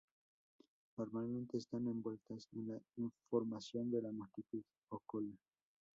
Normalmente, están envueltas en la formación de una multitud o cola.